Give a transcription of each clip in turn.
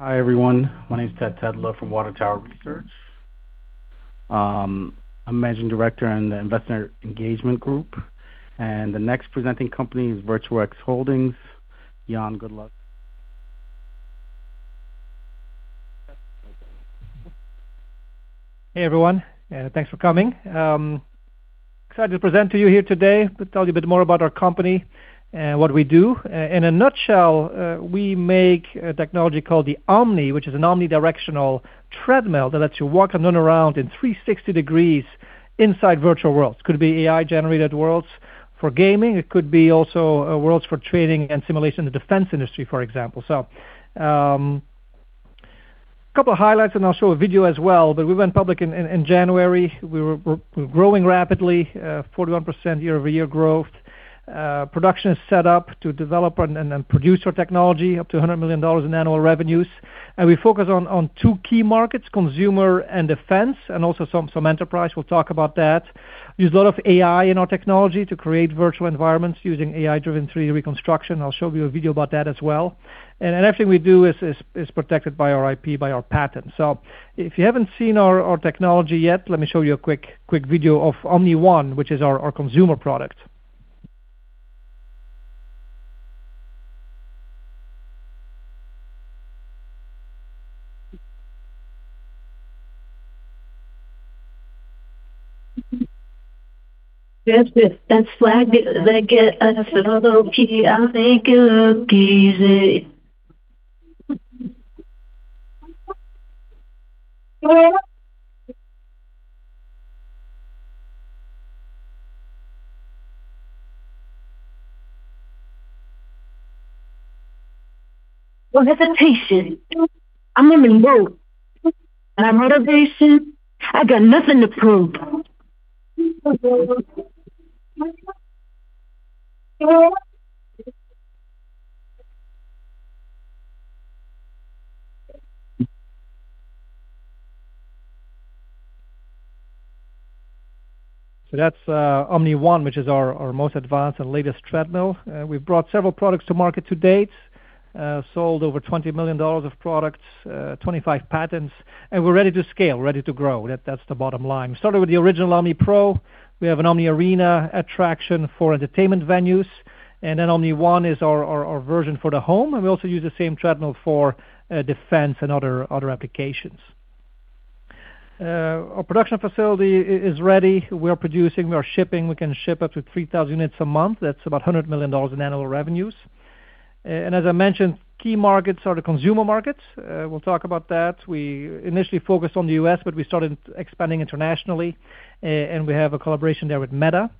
Hi, everyone. My name is Ted Tedla from Water Tower Research. I'm Managing Director in the Investor Engagement Group. The next presenting company is Virtuix Holdings. Jan Goetgeluk. Hey, everyone, thanks for coming. Excited to present to you here today to tell you a bit more about our company and what we do. In a nutshell, we make a technology called the Omni, which is an omnidirectional treadmill that lets you walk and run around in 360 degrees inside virtual worlds. Could be AI-generated worlds for gaming, it could be also worlds for training and simulation in the defense industry, for example. Couple of highlights. I'll show a video as well. We went public in January. We're growing rapidly, 41% year-over-year growth. Production is set up to develop and produce our technology, up to $100 million in annual revenues. We focus on two key markets, consumer and defense, and also some enterprise. We'll talk about that. Use a lot of AI in our technology to create virtual environments using AI-driven 3D reconstruction. I'll show you a video about that as well. Everything we do is protected by our IP, by our patent. If you haven't seen our technology yet, let me show you a quick video of Omni One, which is our consumer product. That swag, that get us a low-key. I make it look easy. No hesitation, I'm in control. Our motivation, I got nothing to prove. That's Omni One, which is our most advanced and latest treadmill. We've brought several products to market to date, sold over $20 million of products, 25 patents, we're ready to scale, ready to grow. That's the bottom line. We started with the original Omni Pro. We have an Omni Arena attraction for entertainment venues, Omni One is our version for the home, and we also use the same treadmill for defense and other applications. Our production facility is ready. We are producing, we are shipping. We can ship up to 3,000 units a month. That's about $100 million in annual revenues. As I mentioned, key markets are the consumer markets. We'll talk about that. We initially focused on the U.S., we started expanding internationally, and we have a collaboration there with Meta.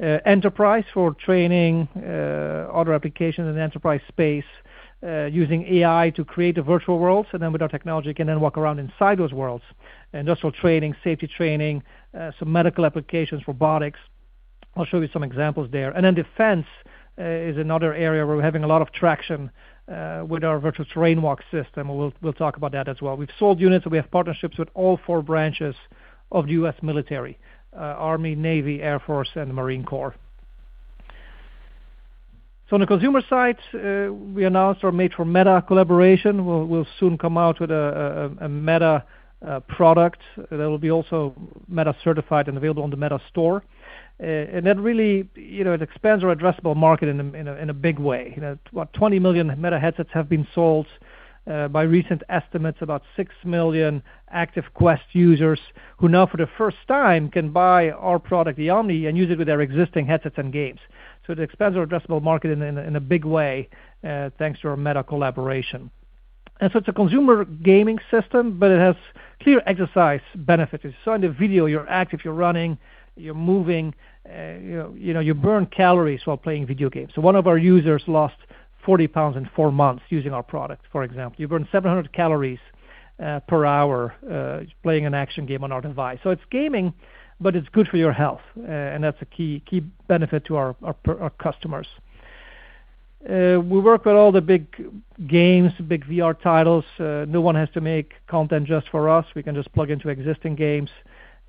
Enterprise for training other applications in the enterprise space, using AI to create the virtual worlds. With our technology can then walk around inside those worlds. Also training, safety training, some medical applications, robotics. I'll show you some examples there. Defense is another area where we're having a lot of traction with our Virtual Terrain Walk system, we'll talk about that as well. We've sold units, we have partnerships with all four branches of the U.S. military: Army, Navy, Air Force, and Marine Corps. On the consumer side, we announced our Made for Meta collaboration. We'll soon come out with a Meta product that will be also Meta-certified and available on the Meta store. That really expands our addressable market in a big way. What, 20 million Meta headsets have been sold. By recent estimates, about 6 million active Quest users who now, for the first time, can buy our product, the Omni, and use it with their existing headsets and games. It expands our addressable market in a big way, thanks to our Meta collaboration. It's a consumer gaming system, but it has clear exercise benefits. You saw in the video, you're active, you're running, you're moving, you burn calories while playing video games. One of our users lost 40 lbs in four months using our product, for example. You burn 700 calories per hour playing an action game on our device. It's gaming, but it's good for your health, and that's a key benefit to our customers. We work with all the big games, big VR titles. No one has to make content just for us. We can just plug into existing games.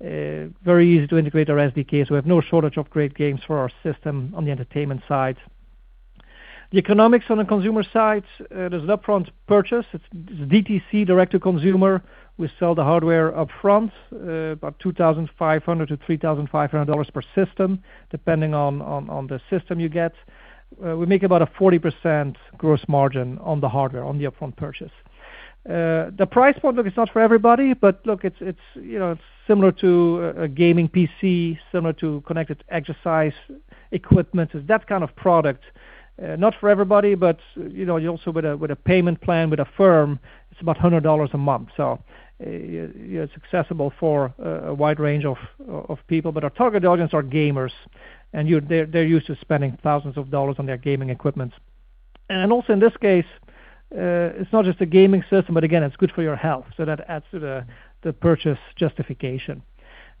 Very easy to integrate our SDK, we have no shortage of great games for our system on the entertainment side. The economics on the consumer side, there's an upfront purchase. It's DTC, direct-to-consumer. We sell the hardware upfront, about $2,500-$3,500 per system, depending on the system you get. We make about a 40% gross margin on the hardware, on the upfront purchase. The price point, look, it's not for everybody, look, it's similar to a gaming PC, similar to connected exercise equipment. It's that kind of product. Not for everybody, but you also, with a payment plan with Affirm, it's about $100 a month. It's accessible for a wide range of people. Our target audience are gamers, and they're used to spending thousands of dollars on their gaming equipment. In this case, it's not just a gaming system, but again, it's good for your health. That adds to the purchase justification.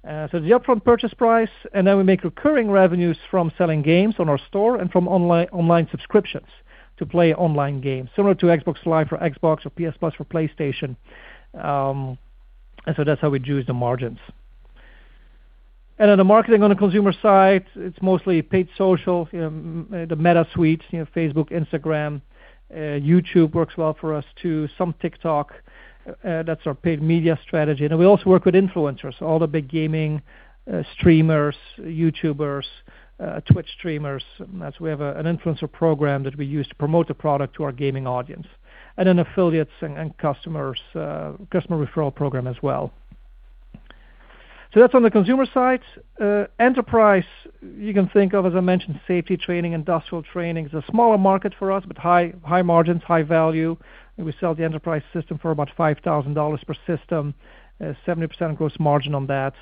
There's the upfront purchase price, and then we make recurring revenues from selling games on our store and from online subscriptions to play online games, similar to Xbox Live for Xbox or PS Plus for PlayStation. That's how we juice the margins. Then the marketing on the consumer side, it's mostly paid social, the Meta suite, Facebook, Instagram, YouTube works well for us too, some TikTok. That's our paid media strategy. We also work with influencers, all the big gaming streamers, YouTubers, Twitch streamers. We have an influencer program that we use to promote the product to our gaming audience, affiliates and customer referral program as well. That's on the consumer side. Enterprise, you can think of, as I mentioned, safety training, industrial training. It's a smaller market for us, but high margins, high value. We sell the enterprise system for about $5,000 per system, 70% gross margin on that.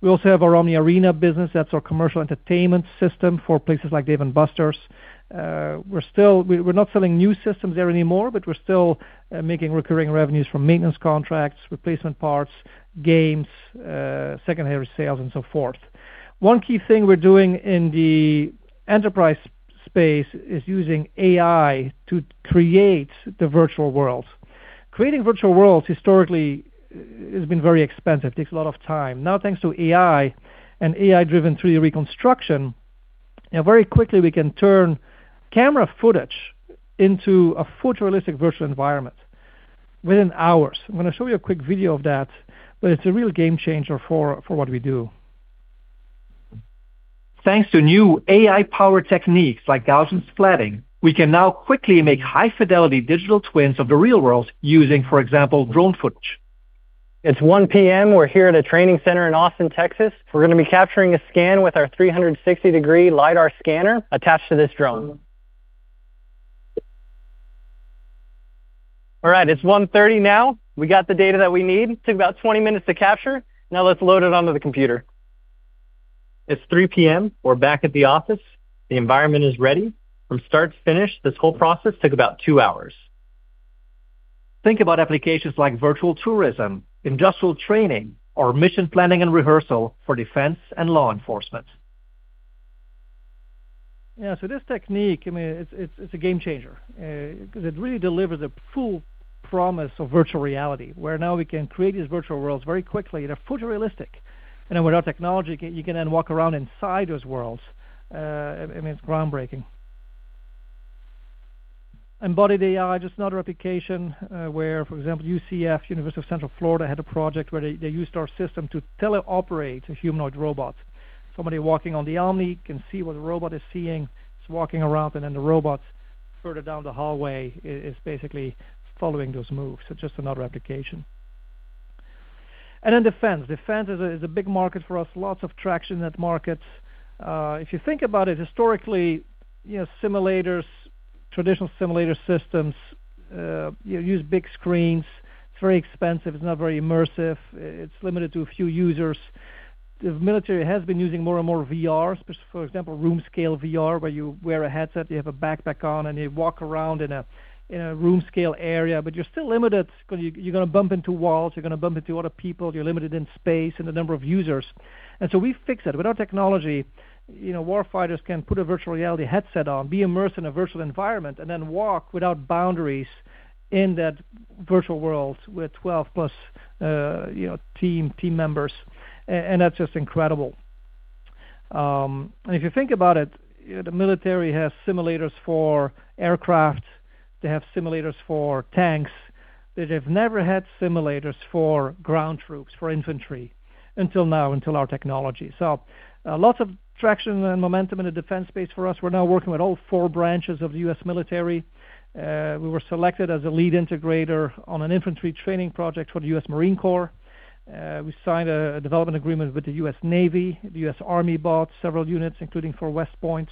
We also have our Omni Arena business. That's our commercial entertainment system for places like Dave & Buster's. We're not selling new systems there anymore, but we're still making recurring revenues from maintenance contracts, replacement parts, games, secondary sales, and so forth. One key thing we're doing in the enterprise space is using AI to create the virtual world. Creating virtual worlds historically has been very expensive, takes a lot of time. Now, thanks to AI and AI-driven 3D reconstruction, very quickly we can turn camera footage into a photorealistic virtual environment within hours. I'm going to show you a quick video of that. It's a real game changer for what we do. Thanks to new AI-powered techniques like Gaussian splatting, we can now quickly make high-fidelity digital twins of the real world using, for example, drone footage. It's 1:00 P.M. We're here at a training center in Austin, Texas. We're going to be capturing a scan with our 360-degree LIDAR scanner attached to this drone. All right, it's 1:30 P.M. now. We got the data that we need. Took about 20 minutes to capture. Now let's load it onto the computer. It's 3:00 P.M. We're back at the office. The environment is ready. From start to finish, this whole process took about two hours. Think about applications like virtual tourism, industrial training, or mission planning and rehearsal for defense and law enforcement. Yeah. This technique, it's a game changer, because it really delivers a full promise of virtual reality, where now we can create these virtual worlds very quickly, and they're photorealistic. With our technology, you can then walk around inside those worlds. It's groundbreaking. Embodied AI, just another application where, for example, UCF, University of Central Florida, had a project where they used our system to teleoperate a humanoid robot. Somebody walking on the Omni can see what the robot is seeing. It's walking around, and then the robot further down the hallway is basically following those moves. Just another application. Defense. Defense is a big market for us. Lots of traction in that market. If you think about it historically, traditional simulator systems use big screens. It's very expensive. It's not very immersive. It's limited to a few users. The military has been using more and more VR, for example, room scale VR, where you wear a headset, you have a backpack on, and you walk around in a room scale area, but you're still limited because you're going to bump into walls, you're going to bump into other people. You're limited in space and the number of users. We fixed that. With our technology, warfighters can put a virtual reality headset on, be immersed in a virtual environment, and then walk without boundaries in that virtual world with 12+ team members, and that's just incredible. If you think about it, the military has simulators for aircraft, they have simulators for tanks, but they've never had simulators for ground troops, for infantry, until now, until our technology. Lots of traction and momentum in the defense space for us. We're now working with all four branches of the U.S. military. We were selected as a lead integrator on an infantry training project for the U.S. Marine Corps. We signed a development agreement with the U.S. Navy. The U.S. Army bought several units, including West Point,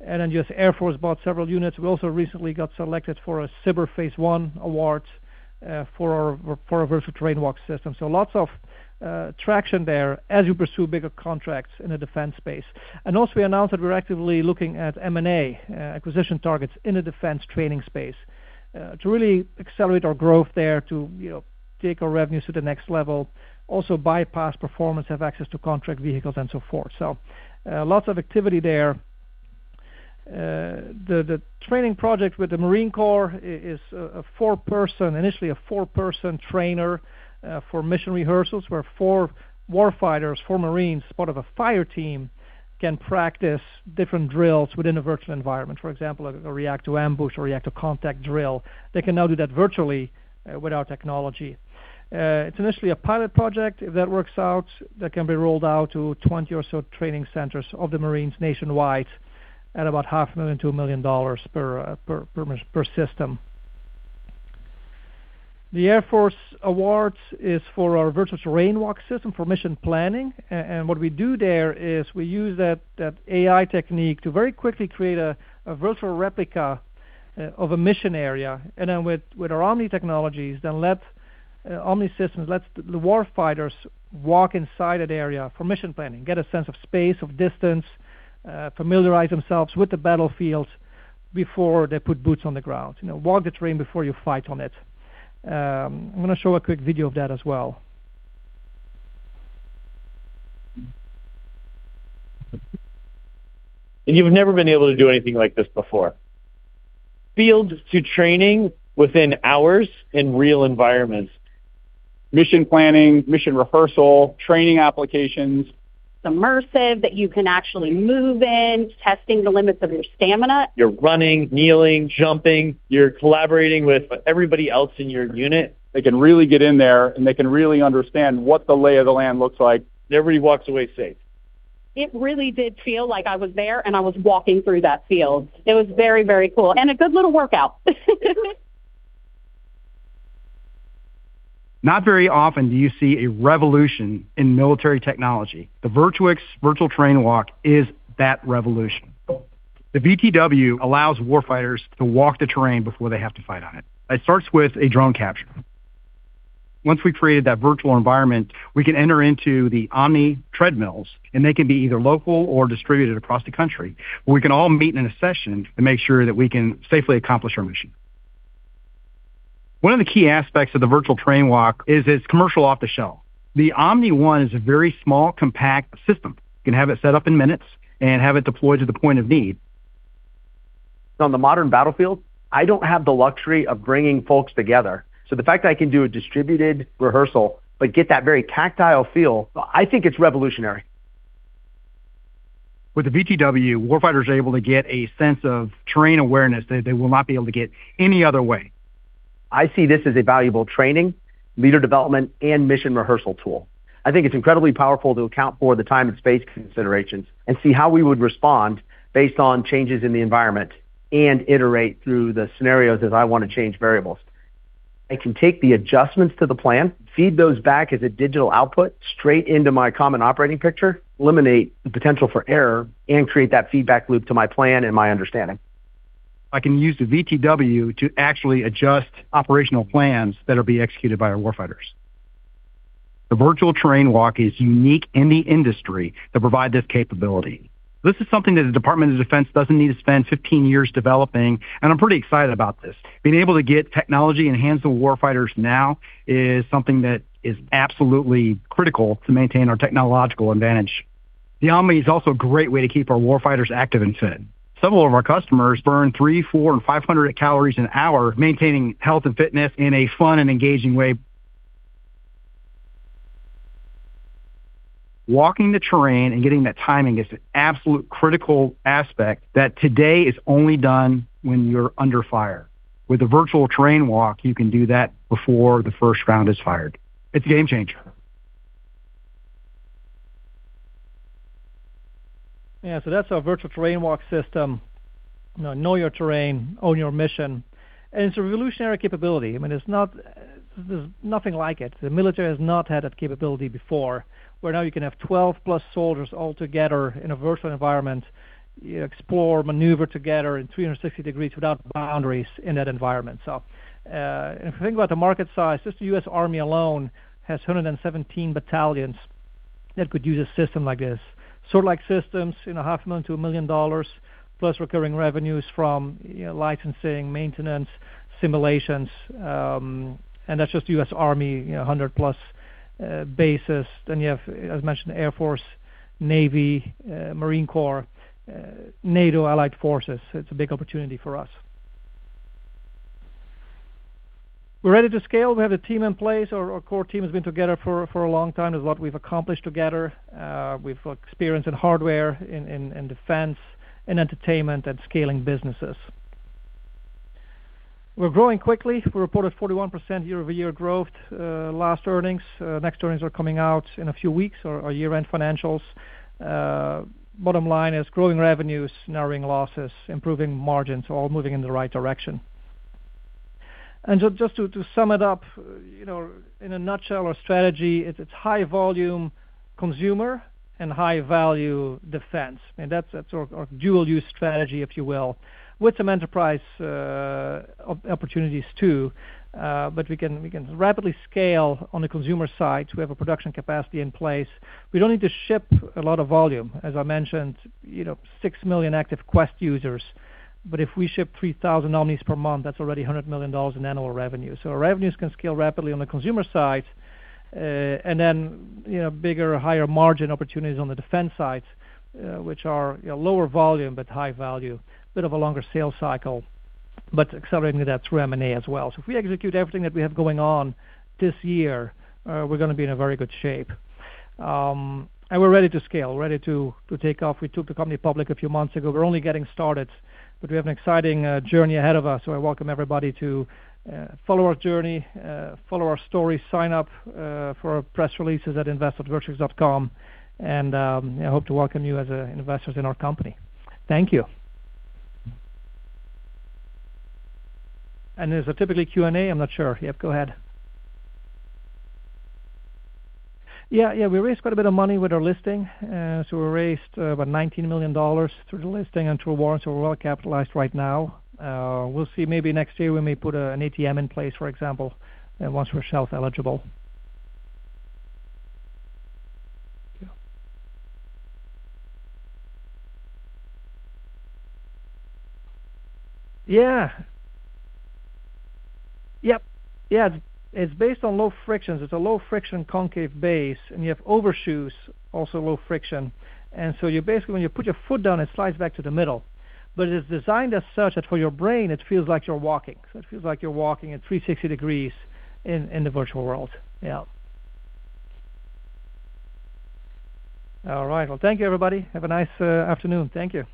the U.S. Air Force bought several units. We also recently got selected for a SBIR Phase I award for our Virtual Terrain Walk system. Lots of traction there as we pursue bigger contracts in the defense space. We announced that we're actively looking at M&A acquisition targets in the defense training space to really accelerate our growth there to take our revenues to the next level, also past performance, have access to contract vehicles and so forth. Lots of activity there. The training project with the Marine Corps is initially a four-person trainer for mission rehearsals, where four warfighters, four Marines, part of a fire team, can practice different drills within a virtual environment. For example, a react to ambush or react to contact drill. They can now do that virtually with our technology. It's initially a pilot project. If that works out, that can be rolled out to 20 or so training centers of the Marines nationwide at about half a million to a million dollars per system. The Air Force award is for our Virtual Terrain Walk system for mission planning. What we do there is we use that AI technique to very quickly create a virtual replica of a mission area. With our Omni technologies, Omni systems lets the warfighters walk inside that area for mission planning, get a sense of space, of distance, familiarize themselves with the battlefield before they put boots on the ground. Walk the terrain before you fight on it. I'm going to show a quick video of that as well. You've never been able to do anything like this before. Fields to training within hours in real environments. Mission planning, mission rehearsal, training applications. Immersive, that you can actually move in, testing the limits of your stamina You're running, kneeling, jumping, you're collaborating with everybody else in your unit. They can really get in there, and they can really understand what the lay of the land looks like. Everybody walks away safe. It really did feel like I was there and I was walking through that field. It was very cool, a good little workout. Not very often do you see a revolution in military technology. The Virtuix Virtual Terrain Walk is that revolution. The VTW allows warfighters to walk the terrain before they have to fight on it. It starts with a drone capture. Once we've created that virtual environment, we can enter into the Omni treadmills, and they can be either local or distributed across the country, where we can all meet in a session to make sure that we can safely accomplish our mission. One of the key aspects of the Virtual Terrain Walk is it's commercial off-the-shelf. The Omni One is a very small, compact system. You can have it set up in minutes and have it deployed to the point of need. On the modern battlefield, I don't have the luxury of bringing folks together. The fact that I can do a distributed rehearsal but get that very tactile feel, I think it's revolutionary. With the VTW, warfighters are able to get a sense of terrain awareness that they will not be able to get any other way. I see this as a valuable training, leader development, and mission rehearsal tool. I think it's incredibly powerful to account for the time and space considerations and see how we would respond based on changes in the environment, iterate through the scenarios as I want to change variables. I can take the adjustments to the plan, feed those back as a digital output straight into my common operating picture, eliminate the potential for error, create that feedback loop to my plan and my understanding. I can use the VTW to actually adjust operational plans that will be executed by our warfighters. The Virtual Terrain Walk is unique in the industry to provide this capability. This is something that the Department of Defense doesn't need to spend 15 years developing. I'm pretty excited about this. Being able to get technology in the hands of warfighters now is something that is absolutely critical to maintain our technological advantage. The Omni is also a great way to keep our warfighters active and fit. Several of our customers burn 300, 400, and 500 calories an hour maintaining health and fitness in a fun and engaging way. Walking the terrain and getting that timing is an absolute critical aspect that today is only done when you're under fire. With the Virtual Terrain Walk, you can do that before the first round is fired. It's a game changer. Yeah. That's our Virtual Terrain Walk system. Know your terrain, own your mission, it's a revolutionary capability. There's nothing like it. The military has not had that capability before, where now you can have 12+ soldiers all together in a virtual environment, explore, maneuver together in 360 degrees without boundaries in that environment. If you think about the market size, just the U.S. Army alone has 117 battalions that could use a system like this. Software like systems, in a half a million to a million dollars plus recurring revenues from licensing, maintenance, simulations, that's just the U.S. Army, 100-plus bases. You have, as mentioned, Air Force, Navy, Marine Corps, NATO Allied Forces. It's a big opportunity for us. We're ready to scale. We have a team in place. Our core team has been together for a long time. This is what we've accomplished together with experience in hardware, in defense, in entertainment, and scaling businesses. We're growing quickly. We reported 41% year-over-year growth last earnings. Next earnings are coming out in a few weeks. Our year-end financials. Bottom line is growing revenues, narrowing losses, improving margins, all moving in the right direction. Just to sum it up, in a nutshell, our strategy, it's high volume consumer and high value defense, that's our dual use strategy, if you will, with some enterprise opportunities too. We can rapidly scale on the consumer side. We have a production capacity in place. We don't need to ship a lot of volume. As I mentioned, 6 million active Quest users. If we ship 3,000 Omnis per month, that's already $100 million in annual revenue. Our revenues can scale rapidly on the consumer side, bigger, higher margin opportunities on the defense side, which are lower volume but high value, bit of a longer sales cycle, accelerating that through M&A as well. If we execute everything that we have going on this year, we're going to be in a very good shape. We're ready to scale, ready to take off. We took the company public a few months ago. We're only getting started, but we have an exciting journey ahead of us. I welcome everybody to follow our journey, follow our story, sign up for our press releases at invest.virtuix.com, I hope to welcome you as investors in our company. Thank you. There's a typically Q&A, I'm not sure. Yep, go ahead. Yeah. We raised quite a bit of money with our listing. We raised about $19 million through the listing and through a warrant, we're well capitalized right now. We'll see, maybe next year we may put an ATM in place, for example, once we're shelf eligible. Yeah. Yep. Yeah. It's based on low friction. It's a low friction concave base, you have overshoes, also low friction. You basically, when you put your foot down, it slides back to the middle. It is designed as such that for your brain, it feels like you're walking. It feels like you're walking at 360 degrees in the virtual world. Yeah. All right. Well, thank you everybody. Have a nice afternoon. Thank you.